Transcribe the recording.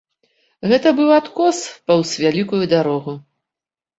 Гэта быў адкос паўз вялікую дарогу.